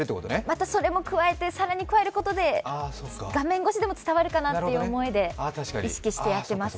またそれも加えて、更に加えることで画面越しでも伝わるかなという思いで意識してやってます。